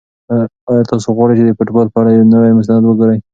آیا تاسو غواړئ چې د فوټبال په اړه یو نوی مستند وګورئ؟